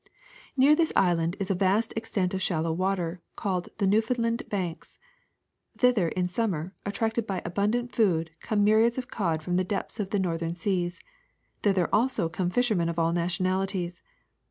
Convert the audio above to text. Near this island is a vast extent of shallow water called the New^foundland Banks. Thither in summer, attracted by abundant food, come myriads of cod from the depths of the northern seas. Thither, also, come fishermen of all nationalities.